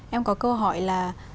em có câu hỏi là